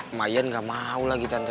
emak iyan gak mau lagi tante